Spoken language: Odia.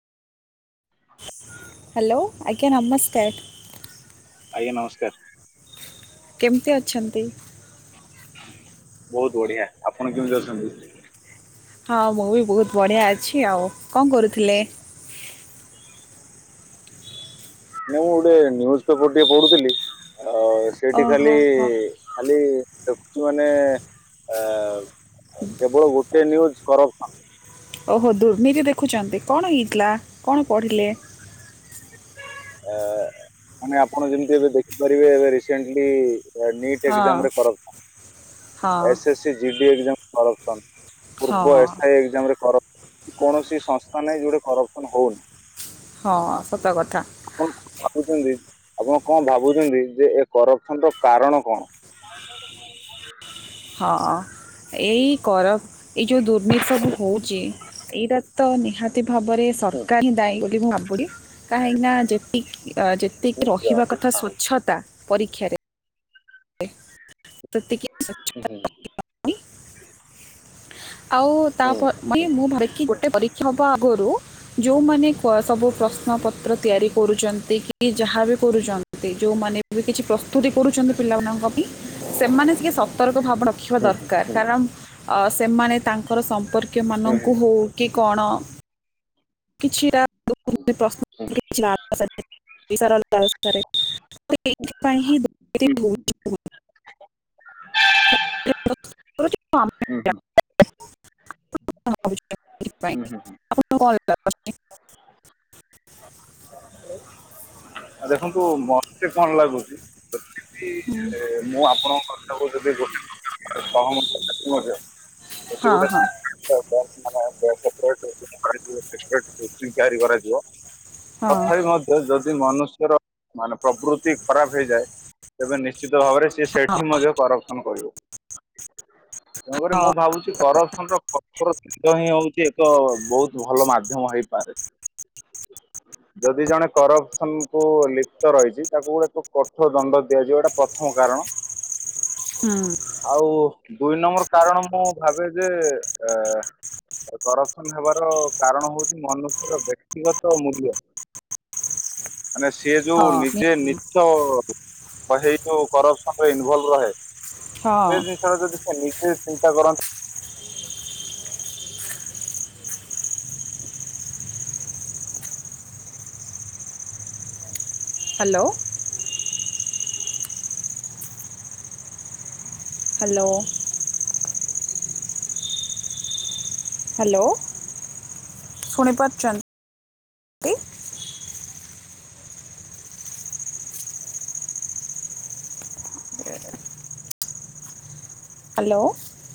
ହାଲୋ ଆଜ୍ଞା ନମସ୍କାର। ଆଜ୍ଞା ନମସ୍କାର। କେମିତି ଅଛନ୍ତି? ବହୁତ ବଢ଼ିଆ ଆପଣ କେମିତି ଅଛନ୍ତି? ହଁ ମୁଁ ବି [unintelligible] ବହୁତ ବହୁତ ବଢ଼ିଆ ଅଛି ଆଉ କଣ କରୁଥିଲେ? ମୁଁ ଗୋଟିଏ ନ୍ୟୁଜ୍ ପେପର୍ ଟିଏ ପଢ଼ୁଥିଲି ଆଉ ସେଠି ଓହୋ ଖାଲି ହୋ ଖାଲି ଦେଖୁଛି ମାନେ ଅ [unintelligible] କେବଳ ଗୋଟେ ସେ ନ୍ୟୁଜ୍ କର ହାଁ [unintelligible] ଓ ହୋ ଦୁର୍ନୀତି ଦେଖୁଚନ୍ତି କଣ ହେଇଥିଲା? କଣ ପଢ଼ିଲେ? ଆ ମାନେ ଆପଣ ଯେମିତି ଏବେ ଦେଖିପାରିବେ ଏବେ ରିସେଣ୍ଟେଲି ଏ ନିଟ୍ ହଁ ଏକଜାମରେ ଫରକ ହଁ ଏସେଶୀ- ଜିଡ଼ି ଏକଯାମ୍ ଫରକ କଣ? ହଁ ପୂର୍ବ ଏସାଇ ଏକଯାମରେ ଫରକ କି କୌଣସି ସଂସ୍ଥା ନାହିଁ ଯୋଉଟେ କରସନ୍ ହୋଉନି- ହଁ ସତ କଥା- ଆପଣ ଭାବୁଛନ୍ତି ଆପଣ କଣ ଭାବୁଛନ୍ତି ଯେ ଏ କରଖଣ୍ଡ କାରଣ କଣ? [unintelligible] [unintelligible] ହଁ ଏଇ କର- ଏଇ ଯୋଉ ଦୁର୍ନୀତି ସବୁ ହୋଉଚି ଏଇଟା ତ ନିହାତ- ତି ଭାବରେ ହୁଁ। ସରକାର ହିଁ ଦାୟୀ ବୋଲି ମୁଁ ଭାବୁଡ଼ି କାହିଁକି ନା ଯେ- ତି ଅ ଯେତିକି ନିଶ୍ଚୟ। ରହିବା କଥା ହଁ ସ୍ଵଚ୍ଛତା ପରୀକ୍ଷାରେ- ଏ ପ୍ରତିକି ହୁଁ ସ୍ବଚ୍ଛତା ହୁଁ। [inaudible] ଆଉ ତାଆ ହୁଁ, ପ ହୁଁ। ବି ମୁଁ ଭାବି ଦେଖି ଗୋଟେ ପରୀକ୍ଷା ହବା ଆଗୁରୁ- ଯୋଉମାନେ ପ ସବୁ ପ୍ରଶ୍ନ ପତ୍ର ତିଆରି କରୁଚନ୍ତି କି ଯାହା ବି କରୁଚ୍ ନ୍ତି ଯୋଉମାନେ ବି କିଛି ପ୍ରସ୍ତୁତି କରୁଛନ୍ତି- ପିଲାମାନଙ୍କ ବି ସେମାନେ ସିଏ ସତର୍କ ଭାବ ରଖିବା ଦରକାର କାରଣ- ଅ ସେମାନେ ତାଙ୍କର ସମ୍ପର୍କୀୟମାନଙ୍କୁ ହୋଉ କି କଣ? କିଛିଟା ଦୋ [unintelligible] [inaudible] [unintelligible] ଥିପାଇଁ ହିଁ ଦୋ ଦେଖନ୍ତୁ [unintelligible] [unintelligible] [inaudible] ପଣ ଚିବା [unintelligible] [inaudible] [inaudible] ଆ ଦେଖନ୍ତୁ ମତେ କଣ ଲାଗୁଚି ଯଦି- କିଏ ମୁଁ ଆପଣଙ୍କ କଥାକୁ ଯଦି ଗୋ [inaudible] ସହମ [unintelligible] ହଁ ଯଦି ହଁ ଗୋଟ [inaudible] [unintelligible] ମାନେ ଗଣେଶ ଠାକୁର ତିଆରି [unintelligible] କରାଯିବ- ହଁ ତଥାପି ମଧ୍ୟ ଯଦି ମନୁଷ୍ୟର ମାନେ ପ୍ରଭୃତି ଖରାପ ହେଇଯାଏ ତେବେ ନିଶ୍- ନିଶ୍ଚିତ ଭାବରେ ସିଏ ସେଠି ମଧ୍ୟ କରକ୍ସନ କରିବ। ତେଣୁକରି ହଁ ମୁଁ ଭାବୁଛି କରକ୍ସନର କକ୍ଷର କେହୁଁ ହୋଉଛି ଏକ ବୋହୁତ୍ ଭଲ ମାଧ୍ୟମ ହେଇପାରେ- ଯଦି ଜଣେ କରସନ୍ କୁ ଲିପ୍ତ ରହିଛି ତାକୁ ଏକ କଠୋର ଦଣ୍ଡ ଦିଆଯିବା ଟା ପ୍ରଥମ କାରଣ- [inaudible] ହୁଁ- ଆଉ ଦୁଇ ନମ୍ବର କାରଣ ମୁଁ ଭାବେ ଯେ ଆ- କରକ୍ସନ ହେବାର କାରଣ ହୋଉଛି ମନୁଷ୍ୟର ବ୍ୟକ୍ତିଗତ୍! ତଅ ମୂଲ୍ୟ ମାନେ ସିଏ ଯୋଉ ହଁ ନି ନିଜେ ନିଜ୍! ତଅ ହେଇ ଯୋଉ ପର୍ସପର୍ରେ ଇନ୍ଭଲଭ ରହେ। ହଁ ସେ ଜିନିଷଟା ଯଦି ସେ ନିଜେ ଚିନ୍ତା କରନ୍ତ୍! ହ୍ୟାଲୋ ହ୍ୟାଲୋ ହ୍ୟାଲୋ ଶୁଣି ପାରୁଚନ୍ତ୍। ହ୍ୟାଲୋ